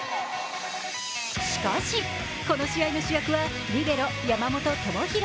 しかし、この試合の主役はリベロ・山本智大。